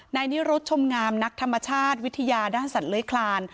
ในนี่รถชมงามนักธรรมชาติวิทยาด้านสันเล้ยคลาน